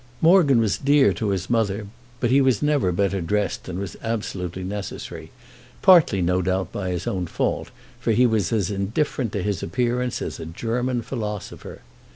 Morgan was dear to his mother, but he never was better dressed than was absolutely necessary—partly, no doubt, by his own fault, for he was as indifferent to his appearance as a German philosopher.